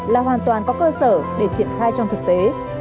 là hoàn toàn có cơ sở để triển khai video